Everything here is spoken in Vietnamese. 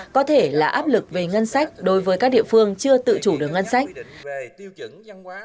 có thể là áp lực về ngân sách đối với các địa phương chưa tự chủ được ngân sách